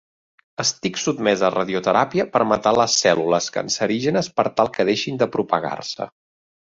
Estic sotmès a radioteràpia per matar les cèl·lules cancerígenes per tal que deixin de propagar-se.